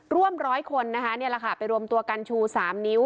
ร่วมร้อยคนนะคะนี่แหละค่ะไปรวมตัวกันชู๓นิ้ว